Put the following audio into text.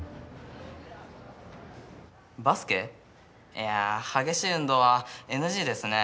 いや激しい運動はＮＧですね。